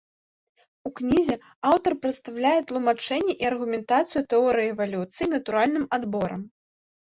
У кнізе аўтар прадстаўляе тлумачэнне і аргументацыю тэорыі эвалюцыі натуральным адборам.